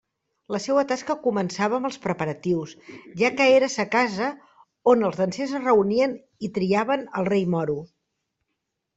La seua tasca començava amb els preparatius, ja que era a sa casa on els dansers es reunien i triaven el Rei Moro.